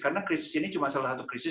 karena krisis ini cuma salah satu krisis